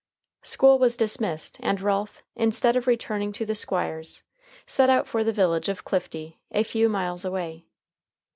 School was dismissed, and Ralph, instead of returning to the Squire's, set out for the village of Clifty, a few miles away.